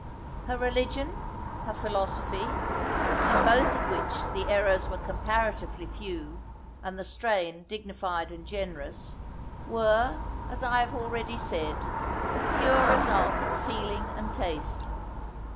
Her religion, her philosophy, (in both of which the errors were comparatively few, and the strain dignified and generous) were, as I have already said, the pure result of feeling and taste.